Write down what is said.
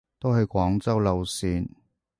都係廣州路線